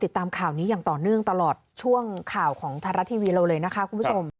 ติดตามข่าวนี้อย่างต่อเนื่องตลอดช่วงข่าวของไทยรัฐทีวีเราเลยนะคะคุณผู้ชม